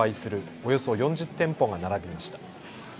およそ４０店舗が並びました。